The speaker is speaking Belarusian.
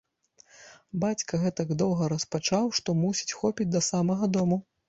Бацька гэтак доўга распачаў, што, мусіць, хопіць да самага дому.